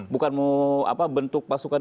bukan mau bentuk pasukan